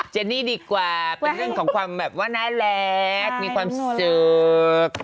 เจนี่ดีกว่าเป็นเรื่องของความแบบว่าน่ารักมีความสุข